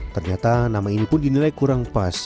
ternyata nama ini pun dinilai kurang pas